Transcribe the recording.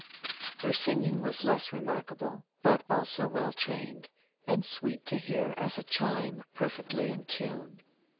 Her singing was less remarkable, but also well trained, and sweet to hear as a chime perfectly in tune.